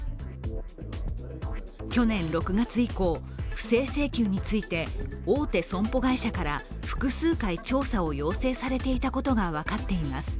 去年６月以降、不正請求について大手損保会社から複数回調査を要請されていたことが分かっています。